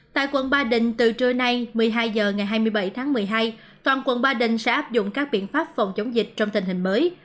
tại quận ba đình từ trưa nay một mươi hai h ngày hai mươi bảy tháng một mươi hai toàn quận ba đình sẽ áp dụng các biện pháp phòng chống dịch trong tình hình mới